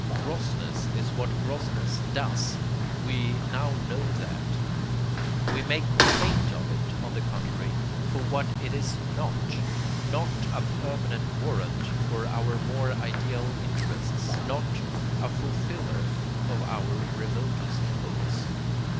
Grossness is what grossness DOES we now know THAT. We make complaint of it, on the contrary, for what it is NOT not a permanent warrant for our more ideal interests, not a fulfiller of our remotest hopes.